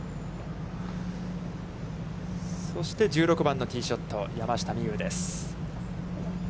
そして、１６番のティーショット、山下美夢有です。